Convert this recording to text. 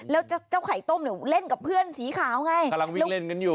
แล้วเจ้าไข่ต้มเล่นกับเพื่อนสีขาวไง